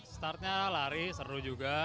startnya lari seru juga